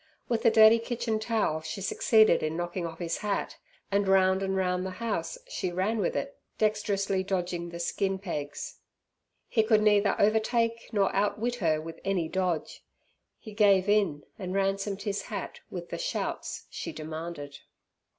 With the dirty kitchen towel she succeeded in knocking off his hat, and round and round the house she ran with it dexterously dodging the skin pegs. He could neither overtake nor outwit her with any dodge. He gave in, and ransomed his hat with the "shouts" she demanded.